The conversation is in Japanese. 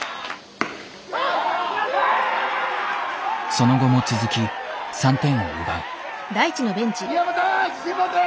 その後も続き３点を奪う。